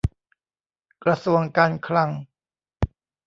กระทรวงการคลัง